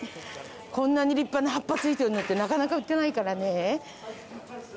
こんなに立派な葉っぱ付いてるのってなかなか売ってないからね。